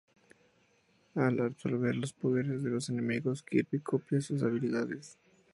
Al absorber los poderes de los enemigos, Kirby copia sus habilidades.